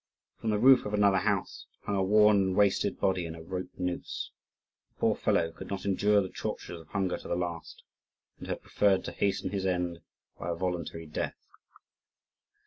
From the roof of another house hung a worn and wasted body in a rope noose. The poor fellow could not endure the tortures of hunger to the last, and had preferred to hasten his end by a voluntary death.